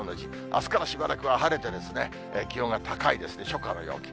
あすからしばらくは晴れて、気温が高いですね、初夏の陽気。